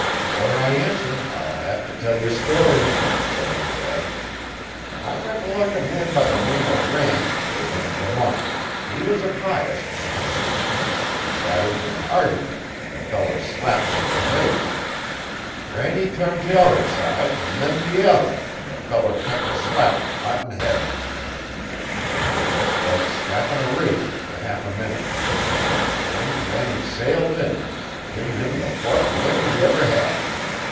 'Fore I answer I'll hev to tell ye a story,' said Uncle Eb. 'I recollec' a man by the name o' Ranney over 'n Vermont he was a pious man. Got into an argyment an' a feller slapped him in the face. Ranney turned t'other side an' then t'other an' the feller kep' a slappin' hot 'n heavy. It was jes' like strappin' a razor fer half a minnit. Then Ranney sailed in gin him the wust lickin' he ever hed.